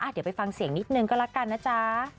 เดี๋ยวไปฟังเสียงนิดนึงก็แล้วกันนะจ๊ะ